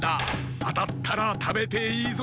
あたったらたべていいぞ。